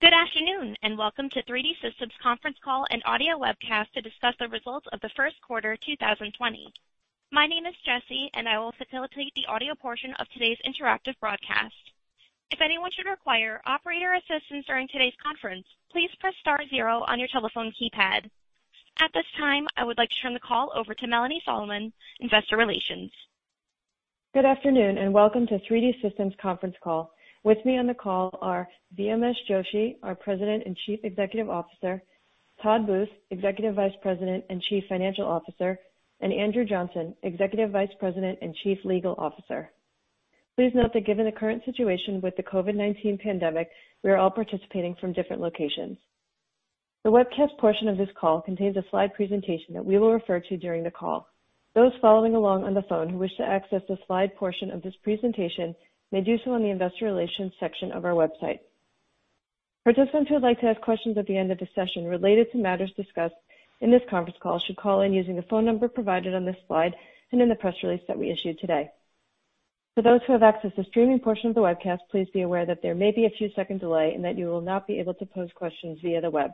Good afternoon and welcome to 3D Systems' conference call and audio webcast to discuss the results of the first quarter 2020. My name is Jessie, and I will facilitate the audio portion of today's interactive broadcast. If anyone should require operator assistance during today's conference, please press star zero on your telephone keypad. At this time, I would like to turn the call over to Melanie Solomon, Investor Relations. Good afternoon and welcome to 3D Systems' conference call. With me on the call are Vyomesh Joshi, our President and Chief Executive Officer, Todd Booth, Executive Vice President and Chief Financial Officer, and Andrew Johnson, Executive Vice President and Chief Legal Officer. Please note that given the current situation with the COVID-19 pandemic, we are all participating from different locations. The webcast portion of this call contains a slide presentation that we will refer to during the call. Those following along on the phone who wish to access the slide portion of this presentation may do so on the investor relations section of our website. Participants who would like to ask questions at the end of the session related to matters discussed in this conference call should call in using the phone number provided on this slide and in the press release that we issued today. For those who have access to the streaming portion of the webcast, please be aware that there may be a few seconds' delay and that you will not be able to post questions via the web.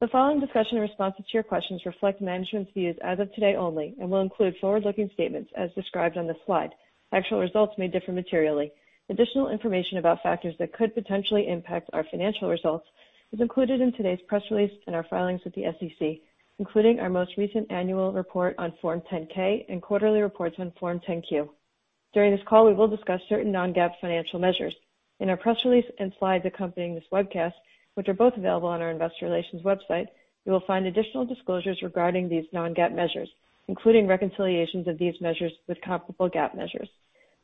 The following discussion and responses to your questions reflect management's views as of today only and will include forward-looking statements as described on this slide. Actual results may differ materially. Additional information about factors that could potentially impact our financial results is included in today's press release and our filings with the SEC, including our most recent annual report on Form 10-K and quarterly reports on Form 10-Q. During this call, we will discuss certain non-GAAP financial measures. In our press release and slides accompanying this webcast, which are both available on our investor relations website, you will find additional disclosures regarding these non-GAAP measures, including reconciliations of these measures with comparable GAAP measures.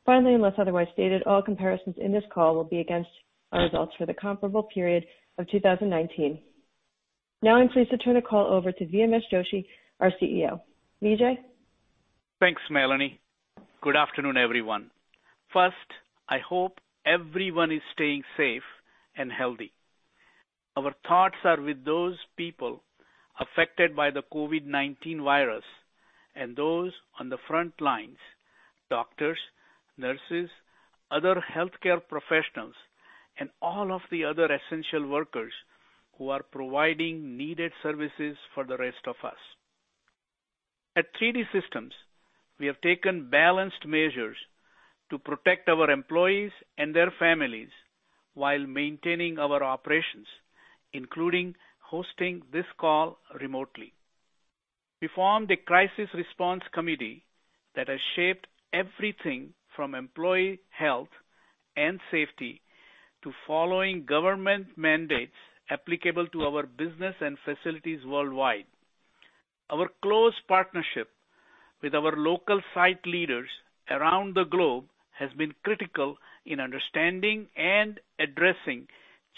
Finally, unless otherwise stated, all comparisons in this call will be against our results for the comparable period of 2019. Now, I'm pleased to turn the call over to Vyomesh Joshi, our CEO. VJ. Thanks, Melanie. Good afternoon, everyone. First, I hope everyone is staying safe and healthy. Our thoughts are with those people affected by the COVID-19 virus and those on the front lines, doctors, nurses, other healthcare professionals, and all of the other essential workers who are providing needed services for the rest of us. At 3D Systems, we have taken balanced measures to protect our employees and their families while maintaining our operations, including hosting this call remotely. We formed a crisis response committee that has shaped everything from employee health and safety to following government mandates applicable to our business and facilities worldwide. Our close partnership with our local site leaders around the globe has been critical in understanding and addressing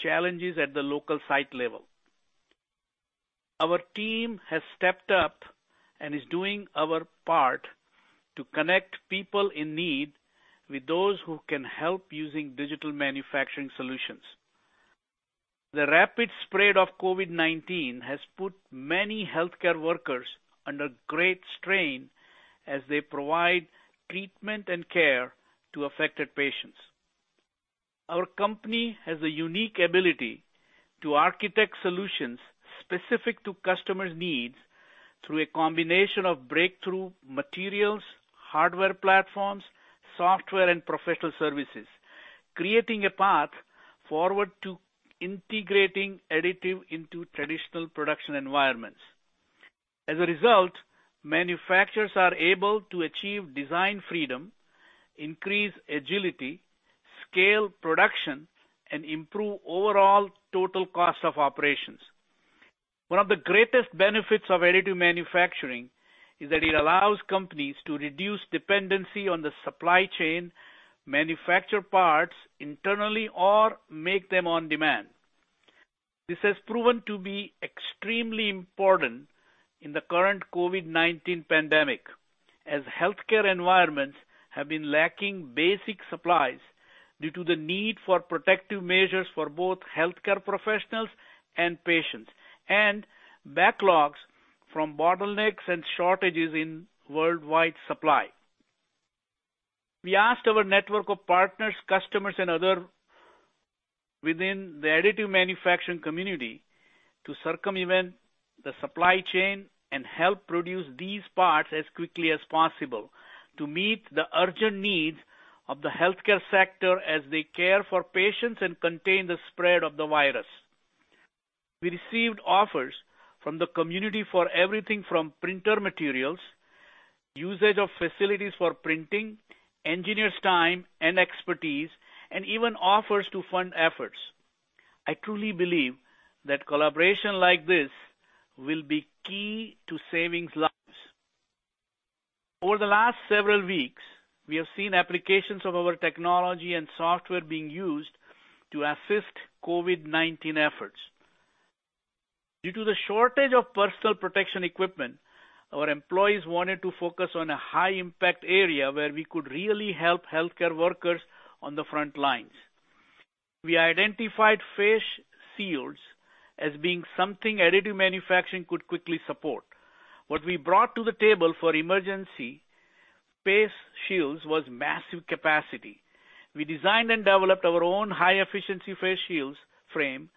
challenges at the local site level. Our team has stepped up and is doing our part to connect people in need with those who can help using digital manufacturing solutions. The rapid spread of COVID-19 has put many healthcare workers under great strain as they provide treatment and care to affected patients. Our company has a unique ability to architect solutions specific to customers' needs through a combination of breakthrough materials, hardware platforms, software, and professional services, creating a path forward to integrating additive into traditional production environments. As a result, manufacturers are able to achieve design freedom, increase agility, scale production, and improve overall total cost of operations. One of the greatest benefits of additive manufacturing is that it allows companies to reduce dependency on the supply chain, manufacture parts internally, or make them on demand. This has proven to be extremely important in the current COVID-19 pandemic as healthcare environments have been lacking basic supplies due to the need for protective measures for both healthcare professionals and patients, and backlogs from bottlenecks and shortages in worldwide supply. We asked our network of partners, customers, and others within the additive manufacturing community to circumvent the supply chain and help produce these parts as quickly as possible to meet the urgent needs of the healthcare sector as they care for patients and contain the spread of the virus. We received offers from the community for everything from printer materials, usage of facilities for printing, engineers' time and expertise, and even offers to fund efforts. I truly believe that collaboration like this will be key to saving lives. Over the last several weeks, we have seen applications of our technology and software being used to assist COVID-19 efforts. Due to the shortage of personal protective equipment, our employees wanted to focus on a high-impact area where we could really help healthcare workers on the front lines. We identified face shields as being something additive manufacturing could quickly support. What we brought to the table for emergency face shields was massive capacity. We designed and developed our own high-efficiency face shield frame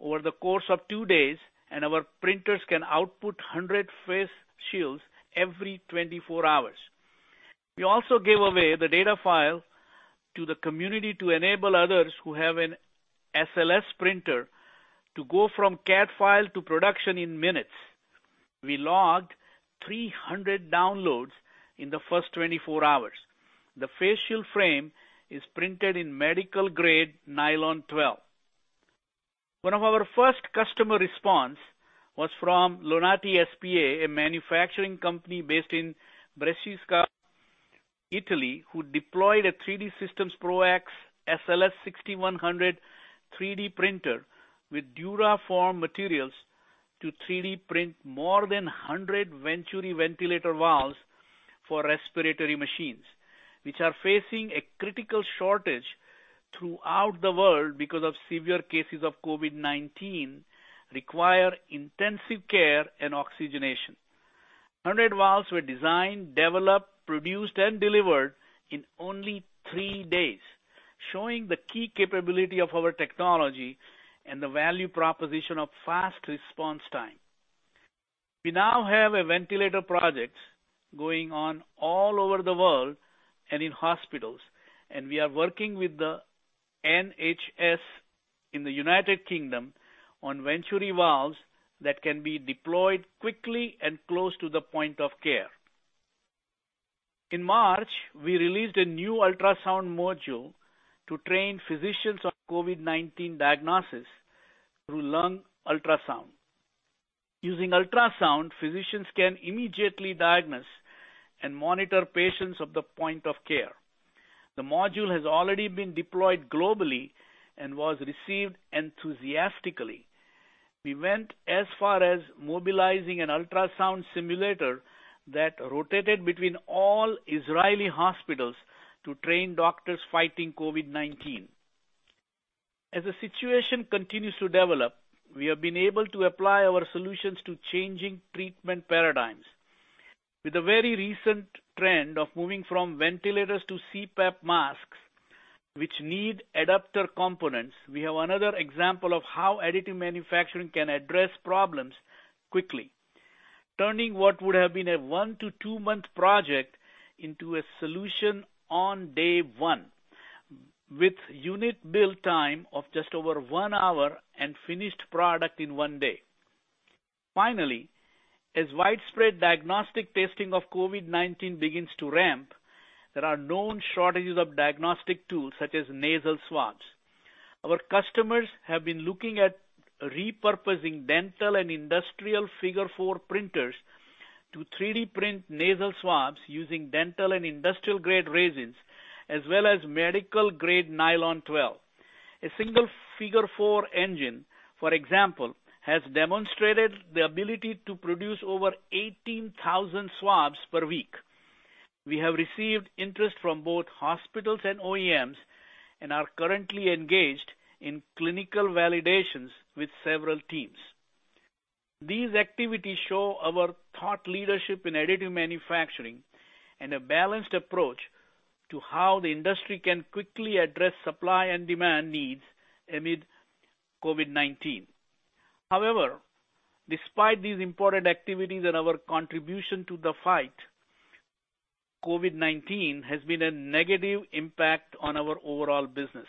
over the course of two days, and our printers can output 100 face shields every 24 hours. We also gave away the data file to the community to enable others who have an SLS printer to go from CAD file to production in minutes. We logged 300 downloads in the first 24 hours. The face shield frame is printed in medical-grade Nylon 12. One of our first customer responses was from Lonati S.p.A., a manufacturing company based in Brescia, Italy, who deployed a 3D Systems ProX SLS 6100 3D printer with DuraForm materials to 3D print more than 100 Venturi ventilator valves for respiratory machines, which are facing a critical shortage throughout the world because of severe cases of COVID-19 that require intensive care and oxygenation. 100 valves were designed, developed, produced, and delivered in only three days, showing the key capability of our technology and the value proposition of fast response time. We now have ventilator projects going on all over the world and in hospitals, and we are working with the NHS in the United Kingdom on Venturi valves that can be deployed quickly and close to the point of care. In March, we released a new ultrasound module to train physicians on COVID-19 diagnosis through lung ultrasound. Using ultrasound, physicians can immediately diagnose and monitor patients at the point of care. The module has already been deployed globally and was received enthusiastically. We went as far as mobilizing an ultrasound simulator that rotated between all Israeli hospitals to train doctors fighting COVID-19. As the situation continues to develop, we have been able to apply our solutions to changing treatment paradigms. With the very recent trend of moving from ventilators to CPAP masks, which need adapter components, we have another example of how additive manufacturing can address problems quickly, turning what would have been a one to two month project into a solution on day one, with unit build time of just over one hour and finished product in one day. Finally, as widespread diagnostic testing of COVID-19 begins to ramp, there are known shortages of diagnostic tools such as nasal swabs. Our customers have been looking at repurposing dental and industrial Figure 4 printers to 3D print nasal swabs using dental and industrial-grade resins, as well as medical-grade Nylon 12. A single Figure 4 engine, for example, has demonstrated the ability to produce over 18,000 swabs per week. We have received interest from both hospitals and OEMs and are currently engaged in clinical validations with several teams. These activities show our thought leadership in additive manufacturing and a balanced approach to how the industry can quickly address supply and demand needs amid COVID-19. However, despite these important activities and our contribution to the fight, COVID-19 has been a negative impact on our overall business,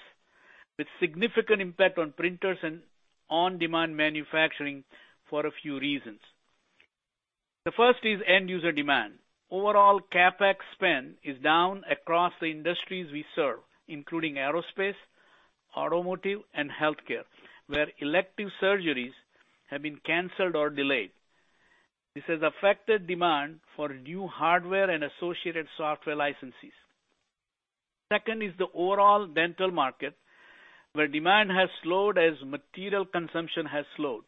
with significant impact on printers and on-demand manufacturing for a few reasons. The first is end-user demand. Overall, CapEx spend is down across the industries we serve, including aerospace, automotive, and healthcare, where elective surgeries have been canceled or delayed. This has affected demand for new hardware and associated software licenses. Second is the overall dental market, where demand has slowed as material consumption has slowed.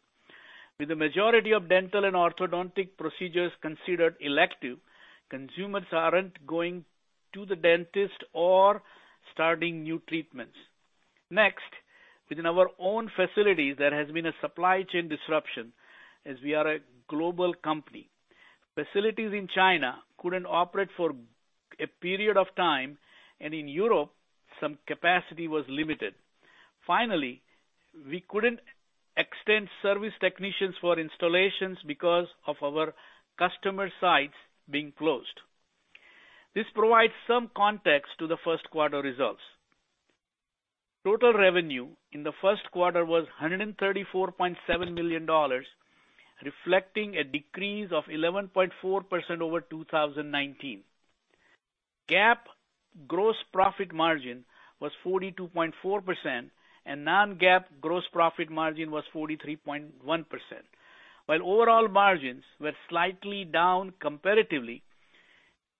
With the majority of dental and orthodontic procedures considered elective, consumers aren't going to the dentist or starting new treatments. Next, within our own facilities, there has been a supply chain disruption as we are a global company. Facilities in China couldn't operate for a period of time, and in Europe, some capacity was limited. Finally, we couldn't extend service technicians for installations because of our customer sites being closed. This provides some context to the first quarter results. Total revenue in the first quarter was $134.7 million, reflecting a decrease of 11.4% over 2019. GAAP gross profit margin was 42.4%, and non-GAAP gross profit margin was 43.1%. While overall margins were slightly down comparatively,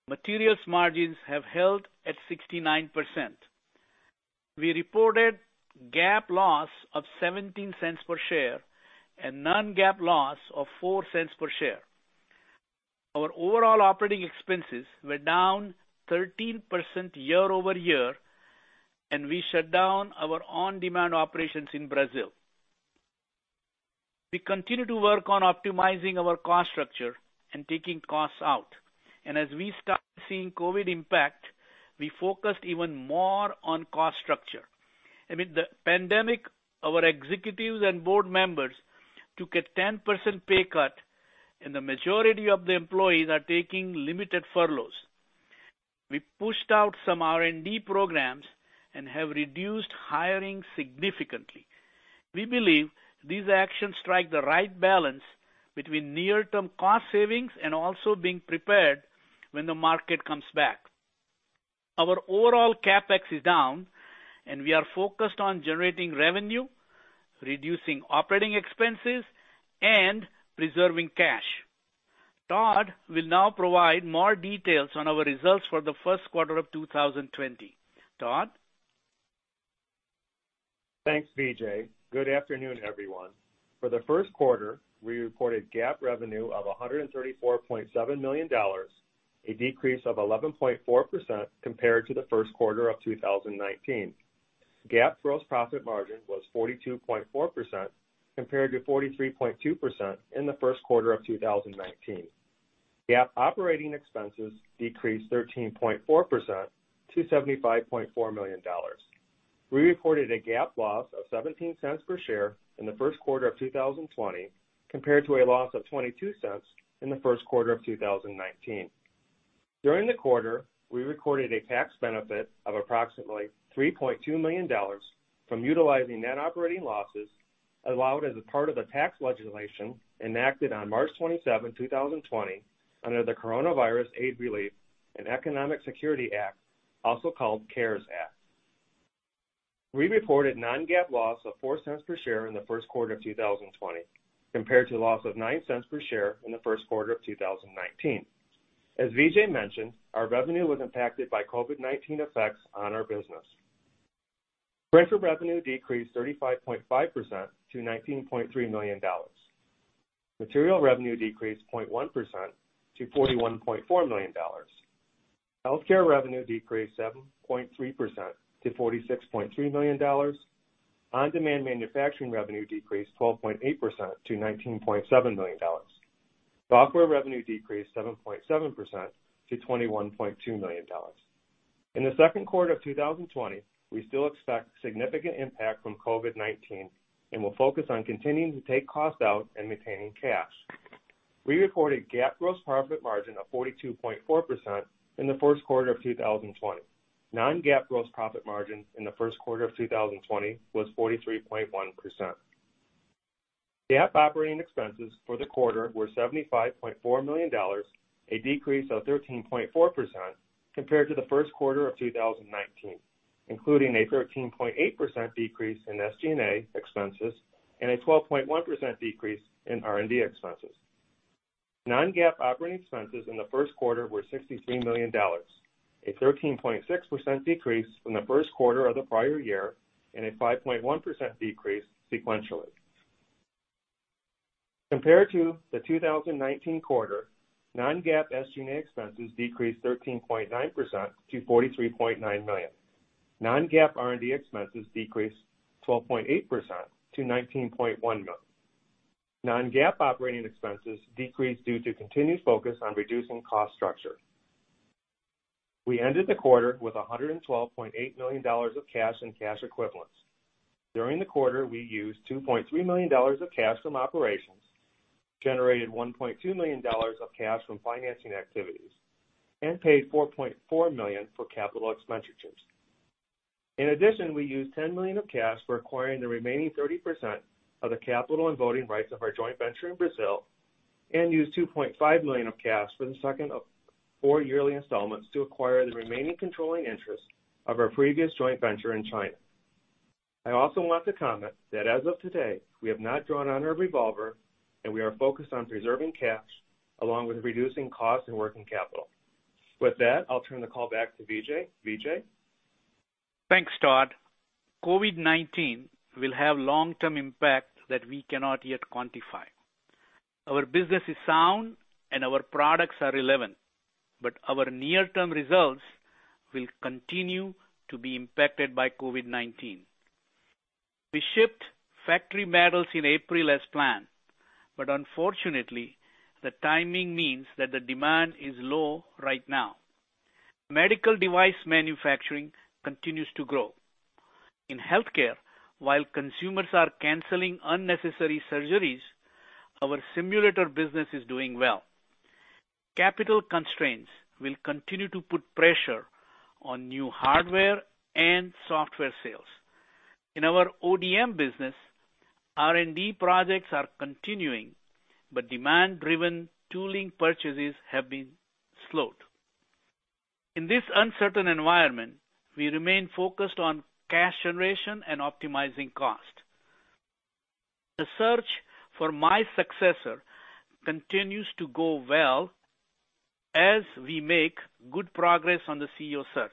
materials margins have held at 69%. We reported GAAP loss of $0.17 per share and non-GAAP loss of $0.04 per share. Our overall operating expenses were down 13% year-over-year, and we shut down our on-demand operations in Brazil. We continue to work on optimizing our cost structure and taking costs out, and as we started seeing COVID impact, we focused even more on cost structure. Amid the pandemic, our executives and board members took a 10% pay cut, and the majority of the employees are taking limited furloughs. We pushed out some R&D programs and have reduced hiring significantly. We believe these actions strike the right balance between near-term cost savings and also being prepared when the market comes back. Our overall CapEx is down, and we are focused on generating revenue, reducing operating expenses, and preserving cash. Todd will now provide more details on our results for the first quarter of 2020. Todd? Thanks, VJ. Good afternoon, everyone. For the first quarter, we reported GAAP revenue of $134.7 million, a decrease of 11.4% compared to the first quarter of 2019. GAAP gross profit margin was 42.4% compared to 43.2% in the first quarter of 2019. GAAP operating expenses decreased 13.4% to $75.4 million. We reported a GAAP loss of $0.17 per share in the first quarter of 2020 compared to a loss of $0.22 in the first quarter of 2019. During the quarter, we recorded a tax benefit of approximately $3.2 million from utilizing net operating losses allowed as a part of the tax legislation enacted on March 27, 2020, under the Coronavirus Aid, Relief, and Economic Security Act, also called CARES Act. We reported non-GAAP loss of $0.04 per share in the first quarter of 2020 compared to a loss of $0.09 per share in the first quarter of 2019. As VJ mentioned, our revenue was impacted by COVID-19 effects on our business. Printer revenue decreased 35.5% to $19.3 million. Material revenue decreased 0.1% to $41.4 million. Healthcare revenue decreased 7.3% to $46.3 million. On-demand manufacturing revenue decreased 12.8% to $19.7 million. Software revenue decreased 7.7% to $21.2 million. In the second quarter of 2020, we still expect significant impact from COVID-19 and will focus on continuing to take costs out and maintaining cash. We recorded GAAP gross profit margin of 42.4% in the first quarter of 2020. Non-GAAP gross profit margin in the first quarter of 2020 was 43.1%. GAAP operating expenses for the quarter were $75.4 million, a decrease of 13.4% compared to the first quarter of 2019, including a 13.8% decrease in SG&A expenses and a 12.1% decrease in R&D expenses. Non-GAAP operating expenses in the first quarter were $63 million, a 13.6% decrease from the first quarter of the prior year, and a 5.1% decrease sequentially. Compared to the 2019 quarter, non-GAAP SG&A expenses decreased 13.9% to $43.9 million. Non-GAAP R&D expenses decreased 12.8% to $19.1 million. Non-GAAP operating expenses decreased due to continued focus on reducing cost structure. We ended the quarter with $112.8 million of cash and cash equivalents. During the quarter, we used $2.3 million of cash from operations, generated $1.2 million of cash from financing activities, and paid $4.4 million for capital expenditures. In addition, we used $10 million of cash for acquiring the remaining 30% of the capital and voting rights of our joint venture in Brazil and used $2.5 million of cash for the second of four yearly installments to acquire the remaining controlling interest of our previous joint venture in China. I also want to comment that as of today, we have not drawn on our revolver, and we are focused on preserving cash along with reducing costs and working capital. With that, I'll turn the call back to VJ. VJ? Thanks, Todd. COVID-19 will have long-term impacts that we cannot yet quantify. Our business is sound, and our products are relevant, but our near-term results will continue to be impacted by COVID-19. We shipped Figure 4 metals in April as planned, but unfortunately, the timing means that the demand is low right now. Medical device manufacturing continues to grow. In healthcare, while consumers are canceling unnecessary surgeries, our simulator business is doing well. Capital constraints will continue to put pressure on new hardware and software sales. In our ODM business, R&D projects are continuing, but demand-driven tooling purchases have been slowed. In this uncertain environment, we remain focused on cash generation and optimizing costs. The search for my successor continues to go well as we make good progress on the CEO search.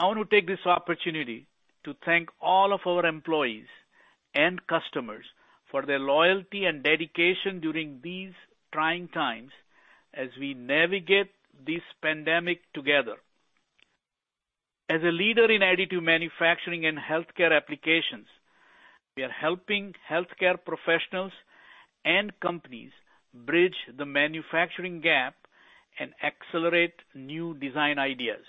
I want to take this opportunity to thank all of our employees and customers for their loyalty and dedication during these trying times as we navigate this pandemic together. As a leader in additive manufacturing and healthcare applications, we are helping healthcare professionals and companies bridge the manufacturing gap and accelerate new design ideas.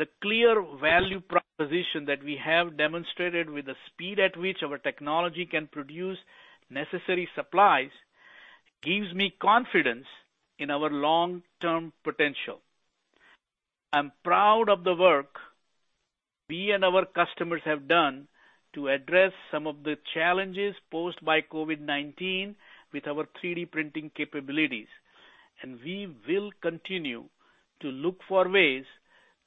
The clear value proposition that we have demonstrated with the speed at which our technology can produce necessary supplies gives me confidence in our long-term potential. I'm proud of the work we and our customers have done to address some of the challenges posed by COVID-19 with our 3D printing capabilities, and we will continue to look for ways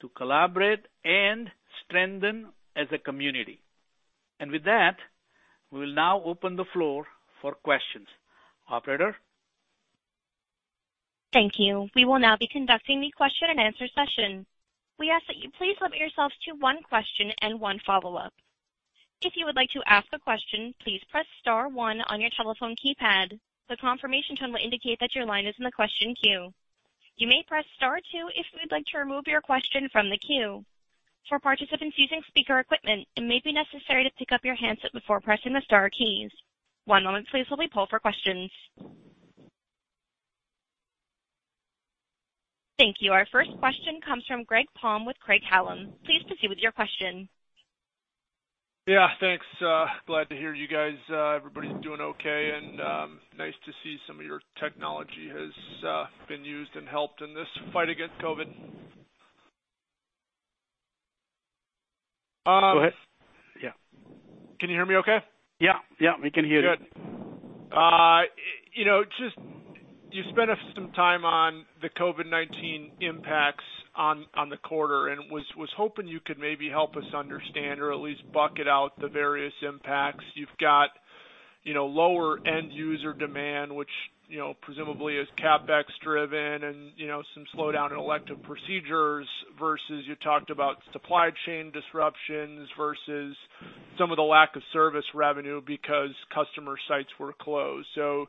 to collaborate and strengthen as a community. And with that, we will now open the floor for questions. Operator? Thank you. We will now be conducting the question-and-answer session. We ask that you please limit yourself to one question and one follow-up. If you would like to ask a question, please press star one on your telephone keypad. The confirmation tone will indicate that your line is in the question queue. You may press star two if you'd like to remove your question from the queue. For participants using speaker equipment, it may be necessary to pick up your handset before pressing the star keys. One moment, please, while we pull for questions. Thank you. Our first question comes from Greg Palm with Craig-Hallum. Pleased to see you with your question. Yeah, thanks. Glad to hear you guys, everybody's doing okay, and nice to see some of your technology has been used and helped in this fight against COVID. Go ahead. Yeah. Can you hear me okay? Yeah. Yeah. We can hear you. Good. Just you spent some time on the COVID-19 impacts on the quarter, and was hoping you could maybe help us understand or at least bucket out the various impacts. You've got lower end-user demand, which presumably is CapEx driven, and some slowdown in elective procedures versus you talked about supply chain disruptions versus some of the lack of service revenue because customer sites were closed. So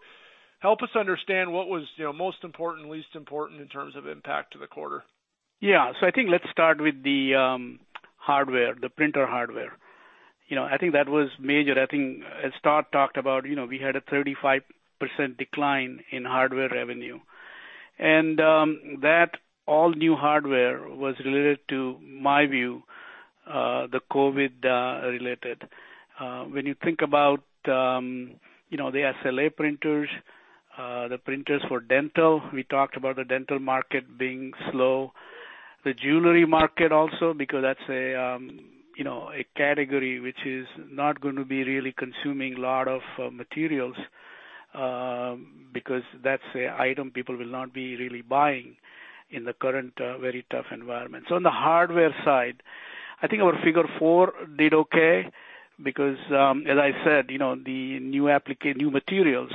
help us understand what was most important, least important in terms of impact to the quarter. Yeah. So I think let's start with the hardware, the printer hardware. I think that was major. I think as Todd talked about, we had a 35% decline in hardware revenue. And that all new hardware was related to, my view, the COVID-related. When you think about the SLA printers, the printers for dental, we talked about the dental market being slow, the jewelry market also because that's a category which is not going to be really consuming a lot of materials because that's an item people will not be really buying in the current very tough environment. So on the hardware side, I think our Figure 4 did okay because, as I said, the new materials.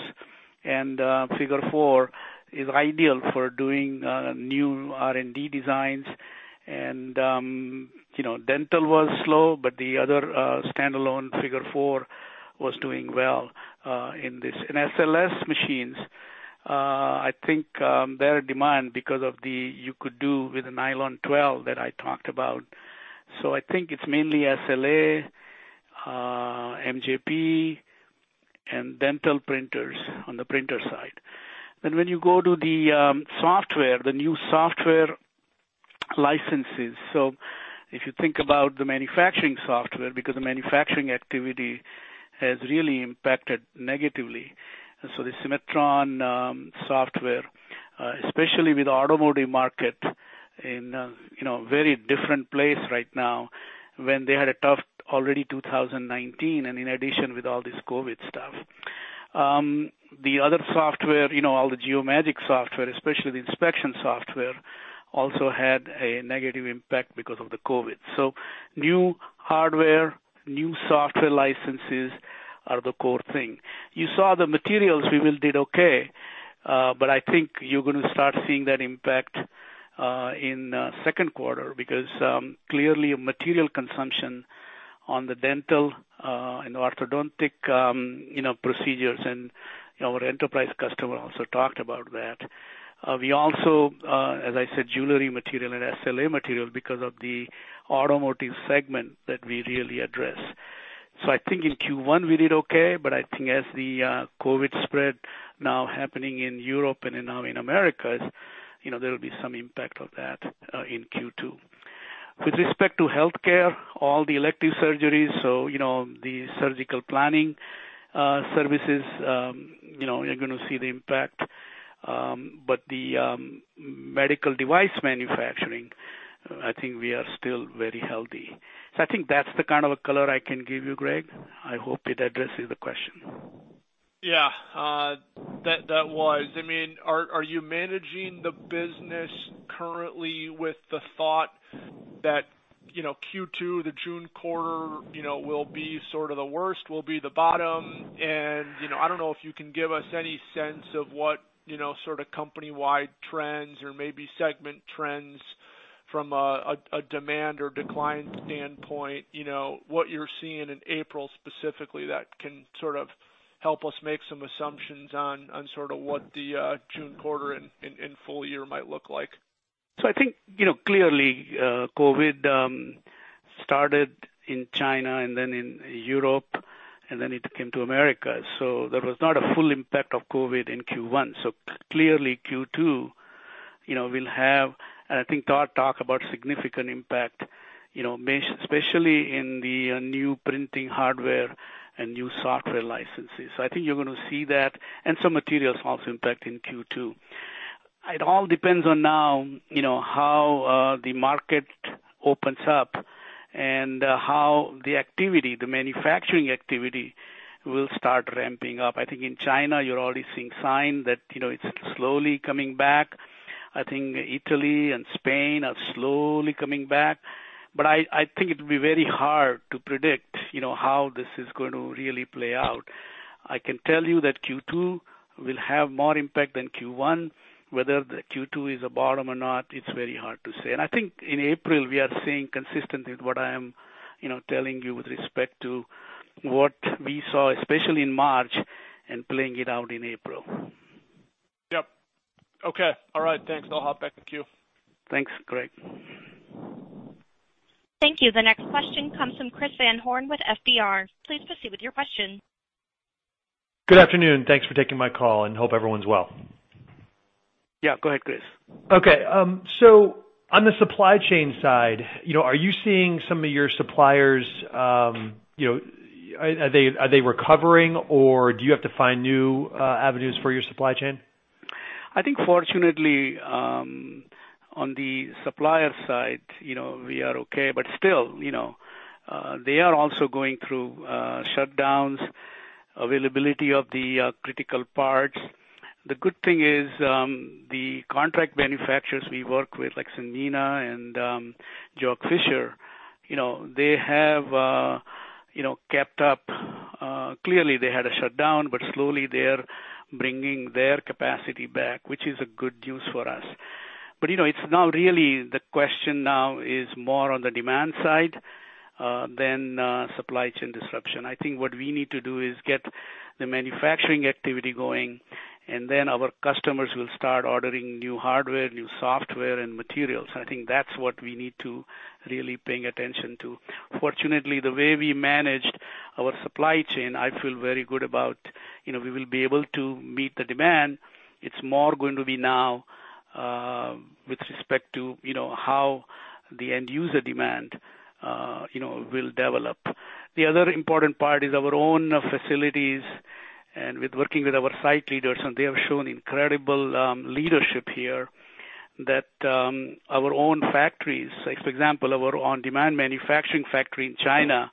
And Figure 4 is ideal for doing new R&D designs. And dental was slow, but the other standalone Figure 4 was doing well in this. SLS machines, I think their demand because of the you could do with the Nylon 12 that I talked about. I think it's mainly SLA, MJP, and dental printers on the printer side. When you go to the software, the new software licenses. If you think about the manufacturing software because the manufacturing activity has really impacted negatively. The Cimatron software, especially with the automotive market in a very different place right now when they had a tough already 2019 and in addition with all this COVID stuff. The other software, all the Geomagic software, especially the inspection software, also had a negative impact because of the COVID. New hardware, new software licenses are the core thing. You saw the materials we did okay, but I think you're going to start seeing that impact in second quarter because clearly material consumption on the dental and orthodontic procedures, and our enterprise customer also talked about that. We also, as I said, jewelry material and SLA material because of the automotive segment that we really address. So I think in Q1 we did okay, but I think as the COVID spread now happening in Europe and now in America, there will be some impact of that in Q2. With respect to healthcare, all the elective surgeries, so the surgical planning services, you're going to see the impact. But the medical device manufacturing, I think we are still very healthy. So I think that's the kind of a color I can give you, Greg. I hope it addresses the question. Yeah. That was. I mean, are you managing the business currently with the thought that Q2, the June quarter, will be sort of the worst, will be the bottom? And I don't know if you can give us any sense of what sort of company-wide trends or maybe segment trends from a demand or decline standpoint, what you're seeing in April specifically that can sort of help us make some assumptions on sort of what the June quarter and full year might look like. So I think clearly COVID started in China and then in Europe, and then it came to America. So there was not a full impact of COVID in Q1. So clearly Q2 will have, and I think Todd talked about significant impact, especially in the new printing hardware and new software licenses. So I think you're going to see that and some materials also impact in Q2. It all depends on now how the market opens up and how the activity, the manufacturing activity will start ramping up. I think in China, you're already seeing signs that it's slowly coming back. I think Italy and Spain are slowly coming back. But I think it will be very hard to predict how this is going to really play out. I can tell you that Q2 will have more impact than Q1. Whether Q2 is a bottom or not, it's very hard to say. And I think in April, we are seeing consistent with what I am telling you with respect to what we saw, especially in March and playing it out in April. Yep. Okay. All right. Thanks. I'll hop back in queue. Thanks, Greg. Thank you. The next question comes from Chris Van Horn with FBR. Please proceed with your question. Good afternoon. Thanks for taking my call, and hope everyone's well. Yeah. Go ahead, Chris. Okay. So on the supply chain side, are you seeing some of your suppliers are they recovering, or do you have to find new avenues for your supply chain? I think fortunately, on the supplier side, we are okay. But still, they are also going through shutdowns, availability of the critical parts. The good thing is the contract manufacturers we work with, like Sanmina and Georg Fischer, they have kept up. Clearly, they had a shutdown, but slowly they're bringing their capacity back, which is good news for us. But it's not really the question now is more on the demand side than supply chain disruption. I think what we need to do is get the manufacturing activity going, and then our customers will start ordering new hardware, new software, and materials. I think that's what we need to really pay attention to. Fortunately, the way we managed our supply chain, I feel very good about. We will be able to meet the demand. It's more going to be now with respect to how the end-user demand will develop. The other important part is our own facilities and with working with our site leaders, and they have shown incredible leadership here that our own factories, for example, our on-demand manufacturing factory in China,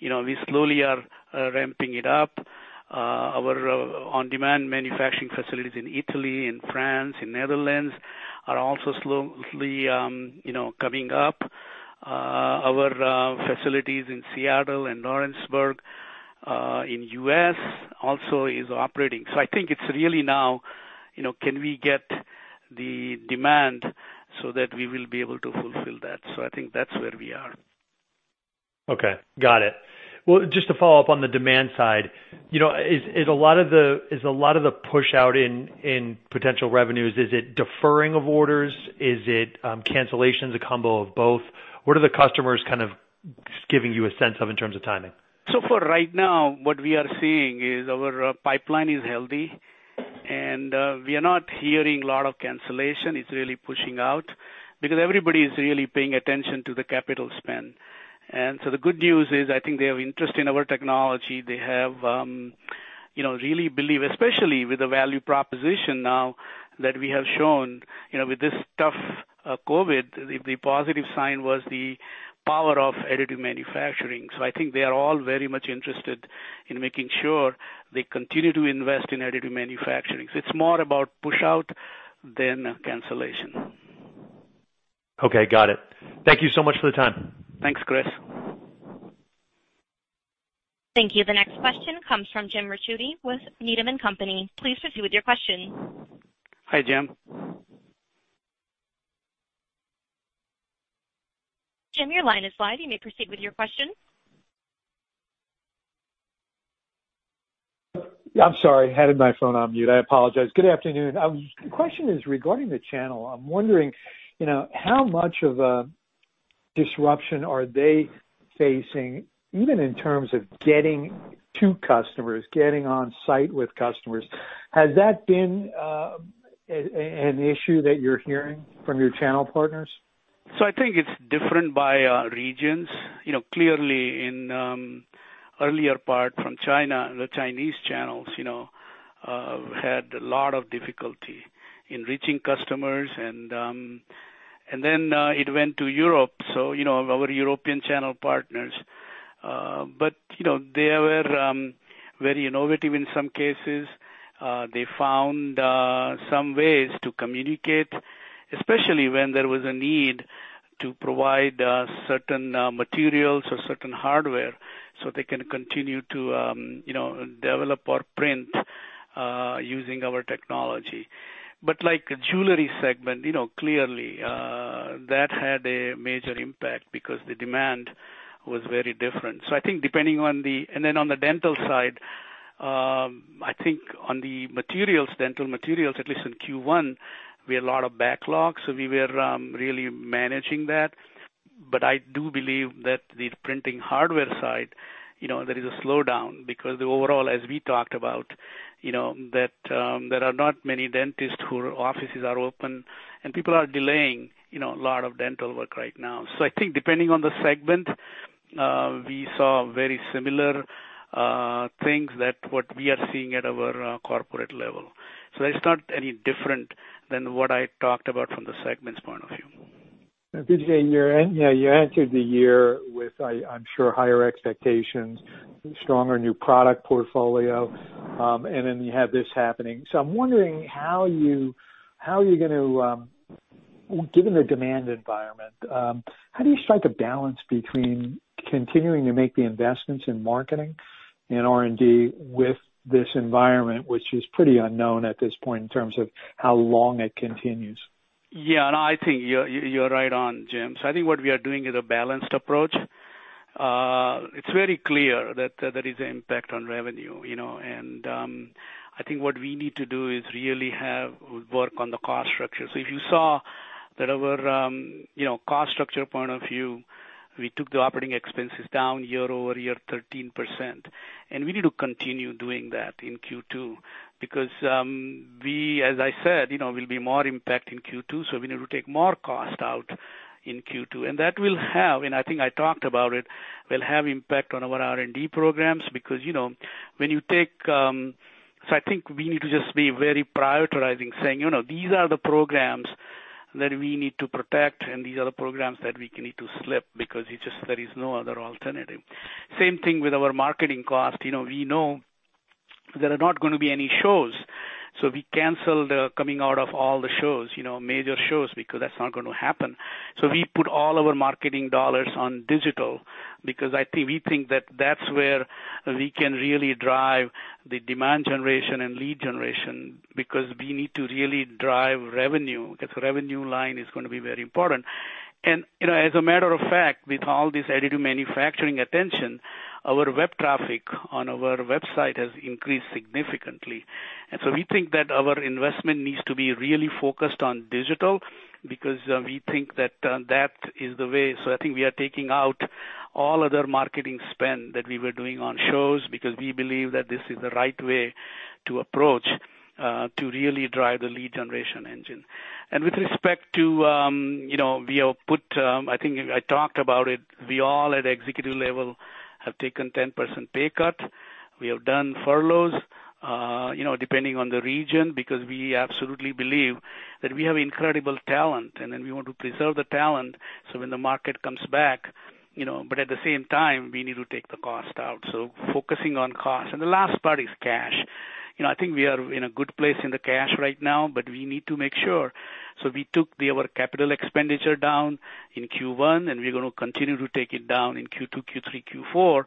we slowly are ramping it up. Our on-demand manufacturing facilities in Italy, in France, in Netherlands are also slowly coming up. Our facilities in Seattle and Lawrenceburg in the U.S. also are operating, so I think it's really now, can we get the demand so that we will be able to fulfill that, so I think that's where we are. Okay. Got it. Well, just to follow up on the demand side, is a lot of the push out in potential revenues deferring of orders? Is it cancellations, a combo of both? What are the customers kind of giving you a sense of in terms of timing? So for right now, what we are seeing is our pipeline is healthy, and we are not hearing a lot of cancellation. It's really pushing out because everybody is really paying attention to the capital spend. And so the good news is I think they have interest in our technology. They have really belief, especially with the value proposition now that we have shown with this tough COVID. The positive sign was the power of additive manufacturing. So I think they are all very much interested in making sure they continue to invest in additive manufacturing. So it's more about push out than cancellation. Okay. Got it. Thank you so much for the time. Thanks, Chris. Thank you. The next question comes from Jim Ricchiuti with Needham & Company. Please proceed with your question. Hi, Jim. Jim, your line is live. You may proceed with your question. Yeah. I'm sorry. I had my phone on mute. I apologize. Good afternoon. The question is regarding the channel. I'm wondering how much of a disruption are they facing even in terms of getting to customers, getting on site with customers? Has that been an issue that you're hearing from your channel partners? So I think it's different by regions. Clearly, in earlier part from China, the Chinese channels had a lot of difficulty in reaching customers. And then it went to Europe, so our European channel partners. But they were very innovative in some cases. They found some ways to communicate, especially when there was a need to provide certain materials or certain hardware so they can continue to develop or print using our technology. But like the jewelry segment, clearly, that had a major impact because the demand was very different. So I think depending on the and then on the dental side, I think on the materials, dental materials, at least in Q1, we had a lot of backlog. So we were really managing that. But I do believe that the printing hardware side, there is a slowdown because the overall, as we talked about, that there are not many dentists whose offices are open, and people are delaying a lot of dental work right now. So I think depending on the segment, we saw very similar things that what we are seeing at our corporate level. So it's not any different than what I talked about from the segment's point of view. Yeah. You answered the year with, I'm sure, higher expectations, stronger new product portfolio, and then you had this happening. So I'm wondering how you're going to, given the demand environment, how do you strike a balance between continuing to make the investments in marketing and R&D with this environment, which is pretty unknown at this point in terms of how long it continues? Yeah. And I think you're right on, Jim. So I think what we are doing is a balanced approach. It's very clear that there is an impact on revenue. And I think what we need to do is really work on the cost structure. So if you saw that our cost structure point of view, we took the operating expenses down year-over-year 13%. And we need to continue doing that in Q2 because we, as I said, will be more impact in Q2. So we need to take more cost out in Q2. That will have, and I think I talked about it, impact on our R&D programs because when you take so I think we need to just be very prioritizing, saying, "These are the programs that we need to protect, and these are the programs that we need to slip because there is no other alternative." Same thing with our marketing cost. We know there are not going to be any shows. We canceled coming out of all the shows, major shows, because that's not going to happen. We put all our marketing dollars on digital because we think that that's where we can really drive the demand generation and lead generation because we need to really drive revenue because the revenue line is going to be very important. And as a matter of fact, with all this additive manufacturing attention, our web traffic on our website has increased significantly. And so we think that our investment needs to be really focused on digital because we think that that is the way. So I think we are taking out all other marketing spend that we were doing on shows because we believe that this is the right way to approach to really drive the lead generation engine. And with respect to, we have put, I think I talked about it. We all at executive level have taken 10% pay cut. We have done furloughs depending on the region because we absolutely believe that we have incredible talent, and then we want to preserve the talent so when the market comes back. But at the same time, we need to take the cost out. So focusing on cost. And the last part is cash. I think we are in a good place in the cash right now, but we need to make sure. So we took our capital expenditure down in Q1, and we're going to continue to take it down in Q2, Q3, Q4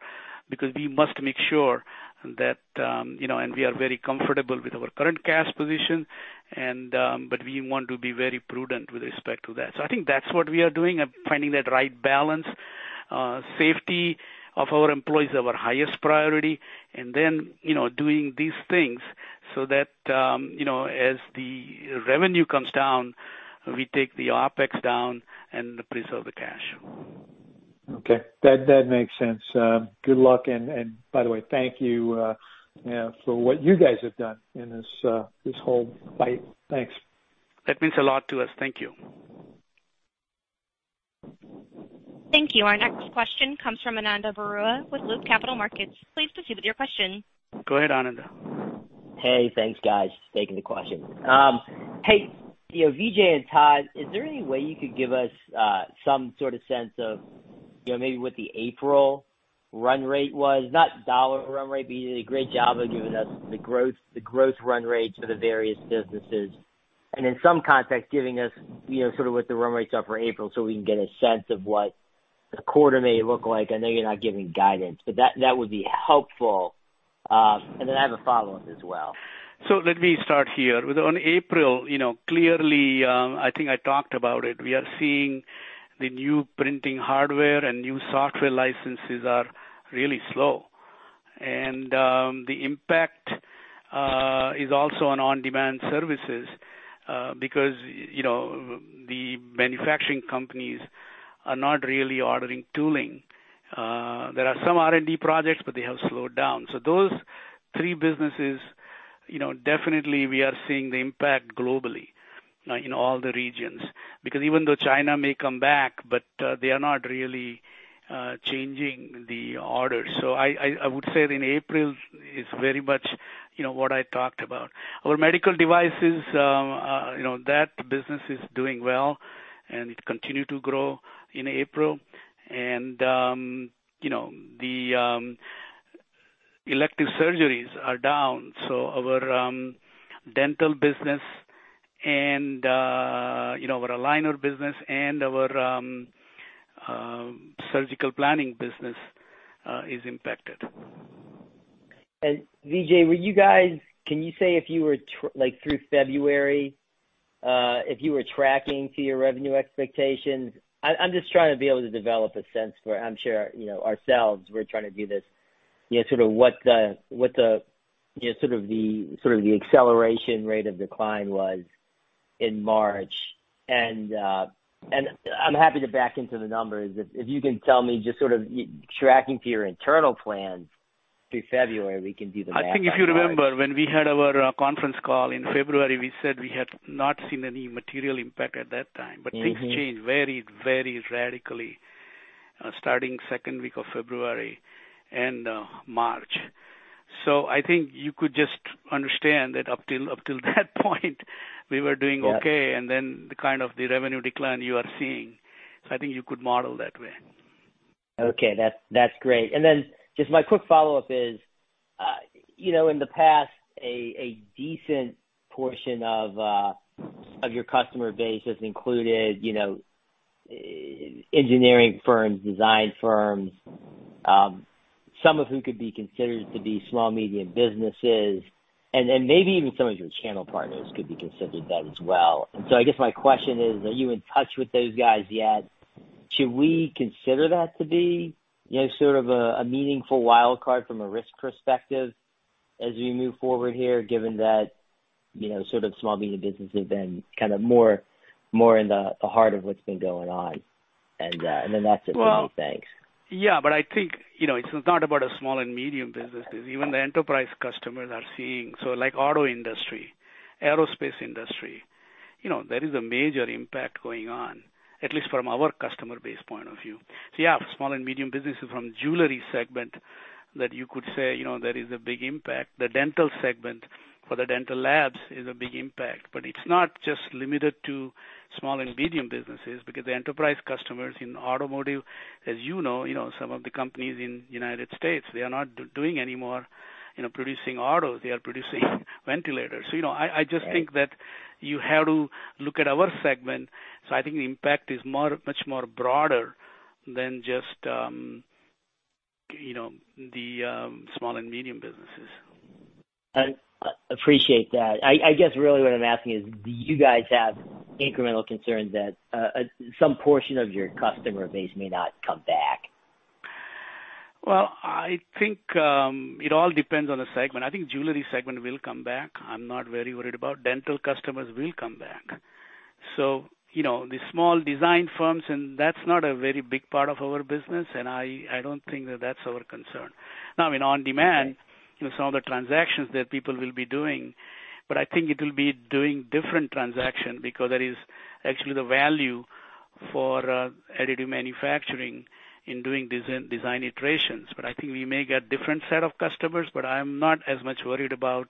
because we must make sure that, and we are very comfortable with our current cash position. But we want to be very prudent with respect to that. So I think that's what we are doing, finding that right balance. Safety of our employees is our highest priority. And then doing these things so that as the revenue comes down, we take the OpEx down and preserve the cash. Okay. That makes sense. Good luck. And by the way, thank you for what you guys have done in this whole fight. Thanks. That means a lot to us. Thank you. Thank you. Our next question comes from Ananda Baruah with Loop Capital Markets. Please proceed with your question. Go ahead, Ananda. Hey. Thanks, guys, for taking the question. Hey, Vijay and Todd, is there any way you could give us some sort of sense of maybe what the April run rate was? Not dollar run rate, but you did a great job of giving us the growth run rates for the various businesses, and in some context, giving us sort of what the run rates are for April so we can get a sense of what the quarter may look like. I know you're not giving guidance, but that would be helpful, and then I have a follow-up as well. Let me start here. In April, clearly, I think I talked about it. We are seeing the new printing hardware and new software licenses are really slow. And the impact is also on on-demand services because the manufacturing companies are not really ordering tooling. There are some R&D projects, but they have slowed down. So those three businesses, definitely, we are seeing the impact globally in all the regions because even though China may come back, but they are not really changing the orders. So I would say that in April is very much what I talked about. Our medical devices, that business is doing well, and it continued to grow in April. And the elective surgeries are down. So our dental business and our aligner business and our surgical planning business is impacted. VJ, can you say if you were through February, if you were tracking to your revenue expectations? I'm just trying to be able to develop a sense for, I'm sure, ourselves. We're trying to do this. Sort of what the acceleration rate of decline was in March. I'm happy to back into the numbers. If you can tell me just sort of tracking to your internal plans through February, we can do the math. I think if you remember, when we had our conference call in February, we said we had not seen any material impact at that time. But things changed very, very radically starting second week of February and March. So I think you could just understand that up till that point, we were doing okay. And then the kind of revenue decline you are seeing. So I think you could model that way. Okay. That's great. And then just my quick follow-up is, in the past, a decent portion of your customer base has included engineering firms, design firms, some of who could be considered to be small, medium businesses, and maybe even some of your channel partners could be considered that as well. And so I guess my question is, are you in touch with those guys yet? Should we consider that to be sort of a meaningful wildcard from a risk perspective as we move forward here, given that sort of small, medium businesses have been kind of more in the heart of what's been going on? And then that's it for me. Thanks. Yeah. But I think it's not about a small and medium business. Even the enterprise customers are seeing. So like auto industry, aerospace industry, there is a major impact going on, at least from our customer base point of view. So yeah, small and medium businesses from jewelry segment that you could say there is a big impact. The dental segment for the dental labs is a big impact. But it's not just limited to small and medium businesses because the enterprise customers in automotive, as you know, some of the companies in the United States, they are not doing anymore producing autos. They are producing ventilators. So I just think that you have to look at our segment. So I think the impact is much more broader than just the small and medium businesses. I appreciate that. I guess really what I'm asking is, do you guys have incremental concerns that some portion of your customer base may not come back? I think it all depends on the segment. I think jewelry segment will come back. I'm not very worried about. Dental customers will come back, so the small design firms, and that's not a very big part of our business, and I don't think that that's our concern. Now, in on-demand, some of the transactions that people will be doing, but I think it will be doing different transaction because there is actually the value for additive manufacturing in doing design iterations. But I think we may get different set of customers. But I'm not as much worried about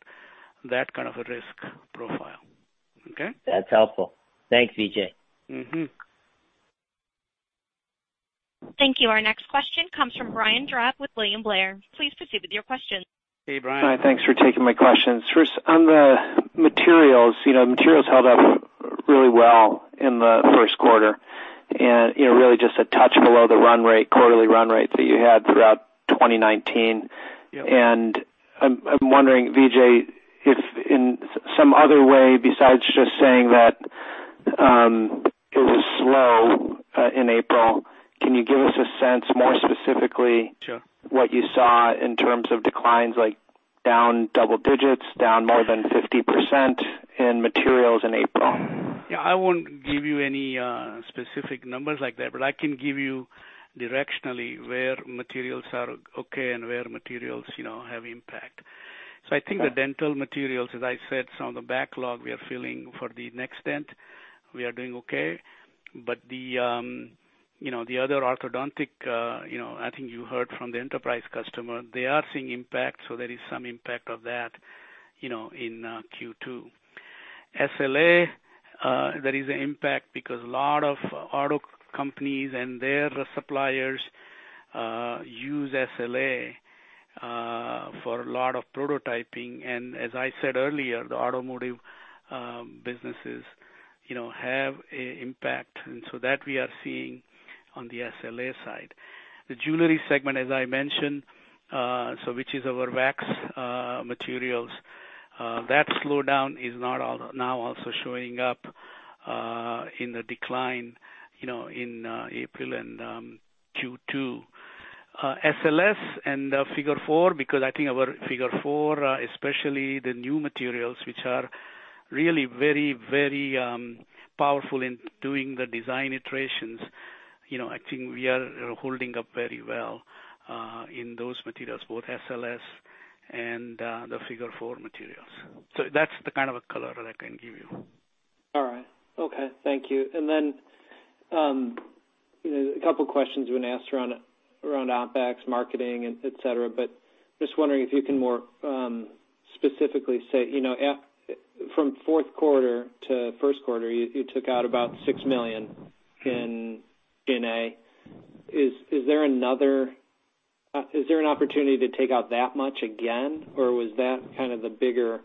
that kind of a risk profile. Okay? That's helpful. Thanks, VJ. Thank you. Our next question comes from Brian Drab with William Blair. Please proceed with your question. Hey, Brian. Hi. Thanks for taking my questions. First, on the materials, materials held up really well in the first quarter and really just a touch below the quarterly run rates that you had throughout 2019. And I'm wondering, VJ, if in some other way besides just saying that it was slow in April, can you give us a sense more specifically what you saw in terms of declines like down double digits, down more than 50% in materials in April? Yeah. I won't give you any specific numbers like that, but I can give you directionally where materials are okay and where materials have impact. So I think the dental materials, as I said, some of the backlog we are filling for the NextDent, we are doing okay. But the other orthodontic, I think you heard from the enterprise customer, they are seeing impact. So there is some impact of that in Q2. SLA, there is an impact because a lot of auto companies and their suppliers use SLA for a lot of prototyping. And as I said earlier, the automotive businesses have an impact. And so that we are seeing on the SLA side. The jewelry segment, as I mentioned, which is our wax materials, that slowdown is now also showing up in the decline in April and Q2. SLS and Figure 4 because I think our Figure 4, especially the new materials, which are really very, very powerful in doing the design iterations, I think we are holding up very well in those materials, both SLS and the Figure 4 materials. So that's the kind of a color that I can give you. All right. Okay. Thank you. And then a couple of questions have been asked around OpEx, marketing, etc. But just wondering if you can more specifically say from fourth quarter to first quarter, you took out about $6 million in SG&A. Is there another opportunity to take out that much again, or was that kind of the bigger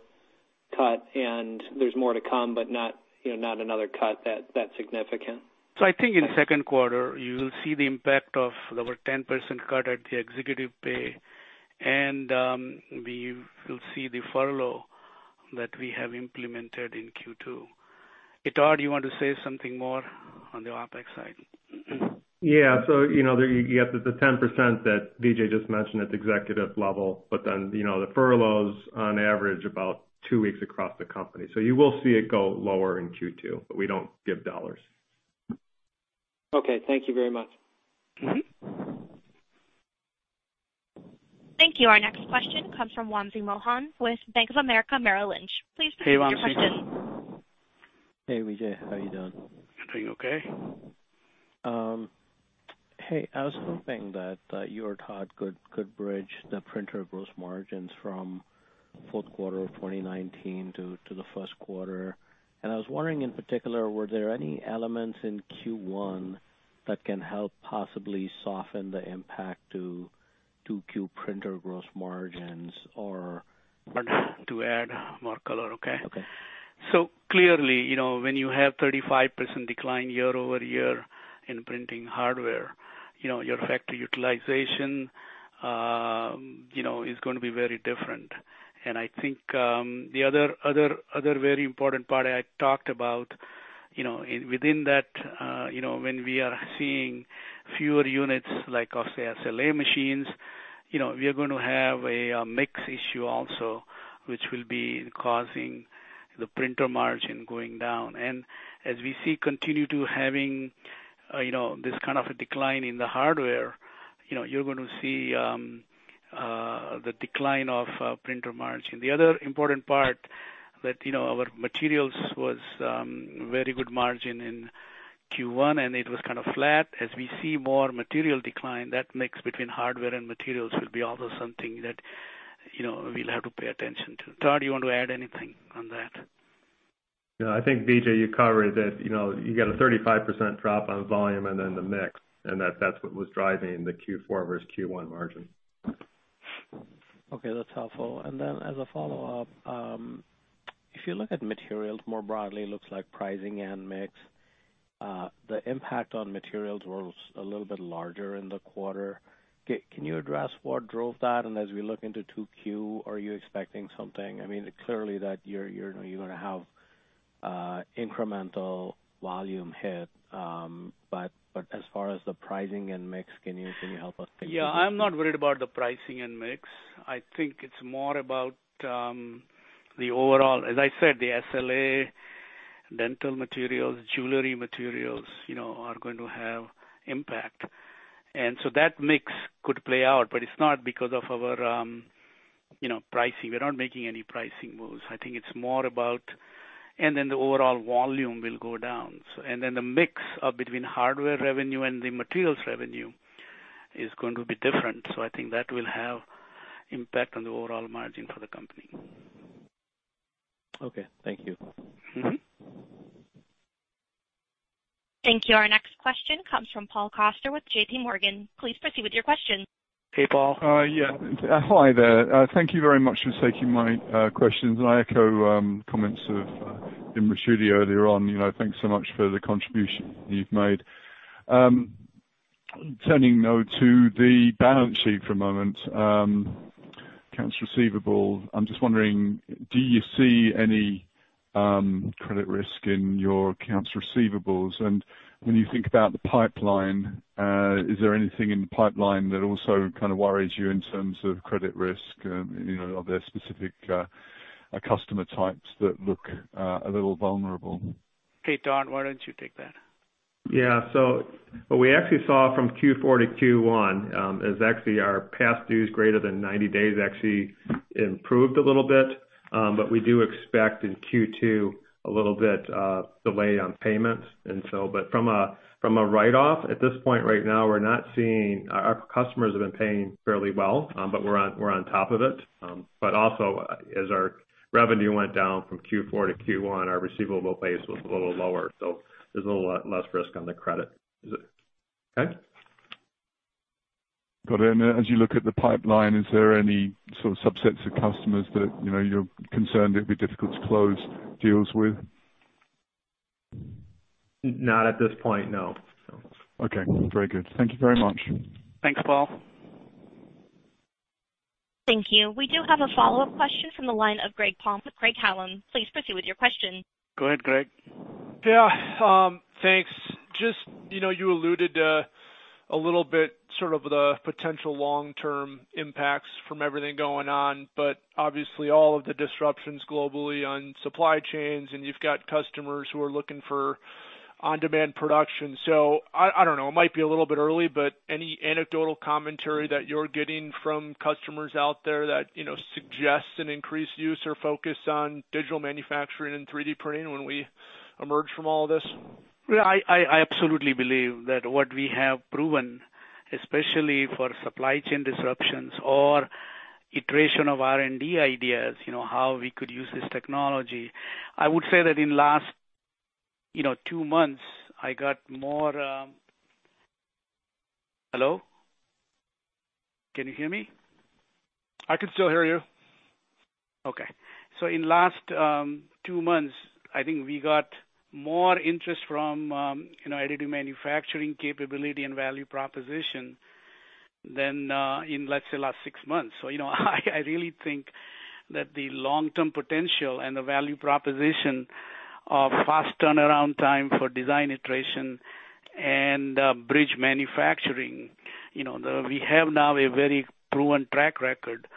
cut and there's more to come but not another cut that significant? So I think in second quarter, you will see the impact of our 10% cut at the executive pay. And we will see the furlough that we have implemented in Q2. Todd, you want to say something more on the OpEx side? Yeah. So you have the 10% that VJ just mentioned at the executive level, but then the furloughs, on average, about two weeks across the company. So you will see it go lower in Q2, but we don't give dollars. Okay. Thank you very much. Thank you. Our next question comes from Wamsi Mohan with Bank of America Merrill Lynch. Please proceed with your questions. Hey, Wamsi. Hey, VJ. How are you doing? Doing okay. Hey. I was hoping that your talk could bridge the printer gross margins from fourth quarter of 2019 to the first quarter. I was wondering in particular, were there any elements in Q1 that can help possibly soften the impact to Q printer gross margins or hard to add more color, okay? So clearly, when you have 35% decline year-over-year in printing hardware, your factory utilization is going to be very different. And I think the other very important part I talked about within that, when we are seeing fewer units like of the SLA machines, we are going to have a mix issue also, which will be causing the printer margin going down. And as we see continue to having this kind of a decline in the hardware, you're going to see the decline of printer margin. The other important part that our materials was very good margin in Q1, and it was kind of flat. As we see more material decline, that mix between hardware and materials will be also something that we'll have to pay attention to. Todd, you want to add anything on that? Yeah. I think, VJ, you covered that you got a 35% drop on volume and then the mix. And that's what was driving the Q4 versus Q1 margin. Okay. That's helpful. And then as a follow-up, if you look at materials more broadly, it looks like pricing and mix, the impact on materials was a little bit larger in the quarter. Can you address what drove that? And as we look into 2Q, are you expecting something? I mean, clearly that you're going to have incremental volume hit. But as far as the pricing and mix, can you help us think through that? Yeah. I'm not worried about the pricing and mix. I think it's more about the overall, as I said, the SLA, dental materials, jewelry materials are going to have impact. And so that mix could play out, but it's not because of our pricing. We're not making any pricing moves. I think it's more about, and then the overall volume will go down. And then the mix between hardware revenue and the materials revenue is going to be different. So I think that will have impact on the overall margin for the company. Okay. Thank you. Thank you. Our next question comes from Paul Coster with JPMorgan. Please proceed with your question. Hey, Paul. Yeah. Hi, there. Thank you very much for taking my questions. And I echo comments of Jim Ricchiuti earlier on. Thanks so much for the contribution you've made. Turning now to the balance sheet for a moment, accounts receivable. I'm just wondering, do you see any credit risk in your accounts receivables? And when you think about the pipeline, is there anything in the pipeline that also kind of worries you in terms of credit risk of the specific customer types that look a little vulnerable? Okay. Todd, why don't you take that? Yeah. So what we actually saw from Q4 to Q1 is actually our past dues greater than 90 days actually improved a little bit. But we do expect in Q2 a little bit delay on payments. And so, but from a write-off at this point right now, we're not seeing our customers have been paying fairly well, but we're on top of it. But also, as our revenue went down from Q4 to Q1, our receivable base was a little lower. So there's a little less risk on the credit. Okay? Got it. And as you look at the pipeline, is there any sort of subsets of customers that you're concerned it would be difficult to close deals with? Not at this point, no. Okay. Very good. Thank you very much. Thanks, Paul. Thank you. We do have a follow-up question from the line of Greg Palm. Please proceed with your question. Go ahead, Greg. Yeah. Thanks. Just you alluded a little bit sort of the potential long-term impacts from everything going on, but obviously all of the disruptions globally on supply chains, and you've got customers who are looking for on-demand production. So I don't know. It might be a little bit early, but any anecdotal commentary that you're getting from customers out there that suggests an increased use or focus on digital manufacturing and 3D printing when we emerge from all of this? Yeah. I absolutely believe that what we have proven, especially for supply chain disruptions or iteration of R&D ideas, how we could use this technology. I would say that in the last two months, I got more. Hello? Can you hear me? I can still hear you. Okay. So in the last two months, I think we got more interest from additive manufacturing capability and value proposition than in, let's say, the last six months. So I really think that the long-term potential and the value proposition of fast turnaround time for design iteration and bridge manufacturing, we have now a very proven track record.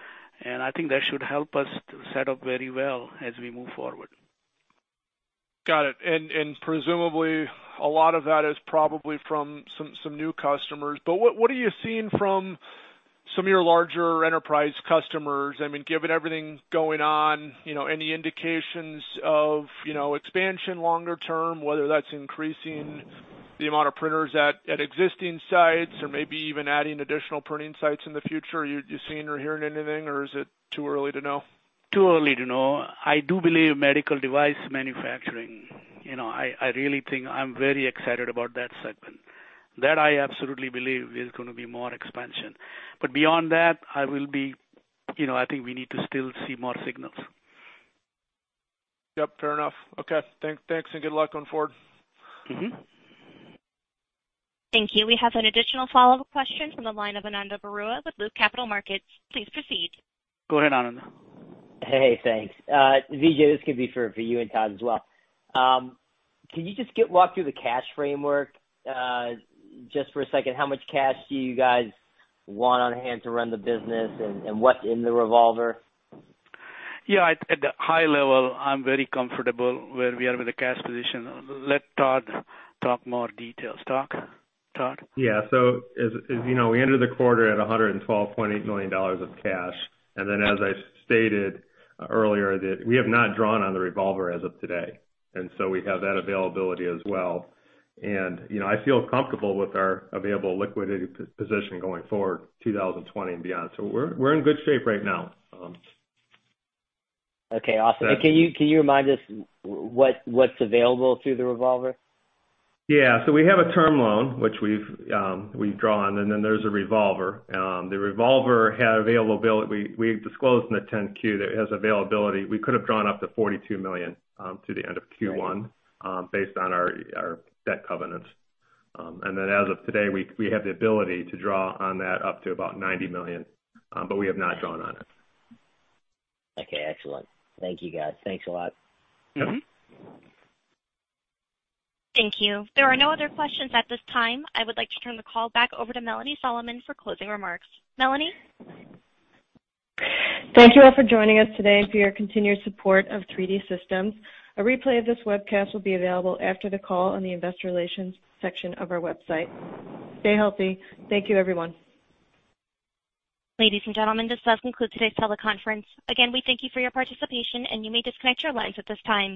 And I think that should help us set up very well as we move forward. Got it. And presumably, a lot of that is probably from some new customers. But what are you seeing from some of your larger enterprise customers? I mean, given everything going on, any indications of expansion longer term, whether that's increasing the amount of printers at existing sites or maybe even adding additional printing sites in the future? Are you seeing or hearing anything, or is it too early to know? Too early to know. I do believe medical device manufacturing. I really think I'm very excited about that segment. That, I absolutely believe there's going to be more expansion. But beyond that, I think we need to still see more signals. Yep. Fair enough. Okay. Thanks and good luck going forward. Thank you. We have an additional follow-up question from the line of Ananda Baruah with Loop Capital Markets. Please proceed. Go ahead, Ananda. Hey, thanks. VJ, this could be for you and Todd as well. Can you just walk through the cash framework just for a second? How much cash do you guys want on hand to run the business, and what's in the revolver? Yeah. At the high level, I'm very comfortable where we are with the cash position. Let Todd talk more details. Todd? Yeah. So as you know, we entered the quarter at $112.8 million of cash. And then, as I stated earlier, we have not drawn on the revolver as of today. And so we have that availability as well. And I feel comfortable with our available liquidity position going forward, 2020 and beyond. So we're in good shape right now. Okay. Awesome. Can you remind us what's available through the revolver? Yeah. So we have a term loan, which we've drawn, and then there's a revolver. The revolver had availability. We disclosed in the 10-Q that it has availability. We could have drawn up to $42 million to the end of Q1 based on our debt covenants. And then, as of today, we have the ability to draw on that up to about $90 million, but we have not drawn on it. Okay. Excellent. Thank you, guys. Thanks a lot. Thank you. There are no other questions at this time. I would like to turn the call back over to Melanie Solomon for closing remarks. Melanie? Thank you all for joining us today and for your continued support of 3D Systems. A replay of this webcast will be available after the call on the investor relations section of our website. Stay healthy. Thank you, everyone. Ladies and gentlemen, this does conclude today's teleconference. Again, we thank you for your participation, and you may disconnect your lines at this time.